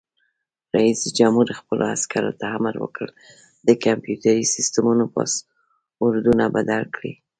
رئیس جمهور خپلو عسکرو ته امر وکړ؛ د کمپیوټري سیسټمونو پاسورډونه بدل کړئ!